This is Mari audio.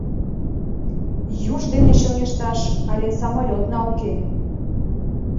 «Юж дене чоҥешташ але самолетна уке.